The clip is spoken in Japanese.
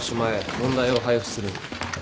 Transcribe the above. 問題を配布する。